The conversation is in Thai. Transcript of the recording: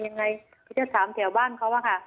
ยายก็ยังแอบไปขายขนมแล้วก็ไปถามเพื่อนบ้านว่าเห็นไหมอะไรยังไง